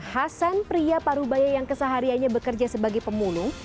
hasan priya parubaya yang keseharianya bekerja sebagai pemulung